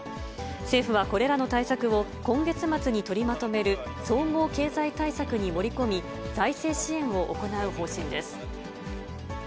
政府はこれらの対策を、今月末に取りまとめる総合経済対策に盛り込み、財政支援を行う方針です。